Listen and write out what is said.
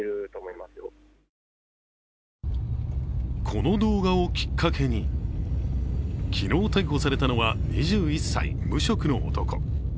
この動画をきっかけに、昨日逮捕されたのは２１歳、無職の男。